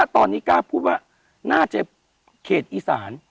ตอนนี้กล้าพูดว่าน่าจะเขตอีสาน